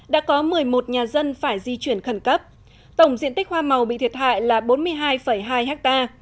đã có một mươi một nhà dân phải di chuyển khẩn cấp tổng diện tích hoa màu bị thiệt hại là bốn mươi hai hai ha